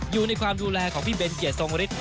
อยู่ในความดูแลของพี่เบนเกียรติทรงฤทธ